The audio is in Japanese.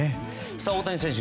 大谷選手